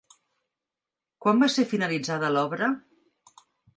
Quan va ser finalitzada l'obra?